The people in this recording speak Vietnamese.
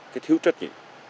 cái thiếu trách nhiệm